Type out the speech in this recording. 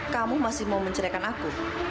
kamu masih mau menceraikan aku